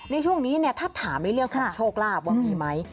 ในช่วงนี้ถ้าถามเรื่องของโชคลาบว่ามีมั้ย